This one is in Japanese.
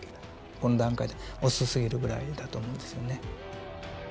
この段階だと遅すぎるぐらいだと思うんですよね。